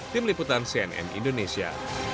tim liputan cnn indonesia